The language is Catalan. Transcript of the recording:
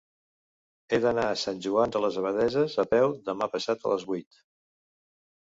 He d'anar a Sant Joan de les Abadesses a peu demà passat a les vuit.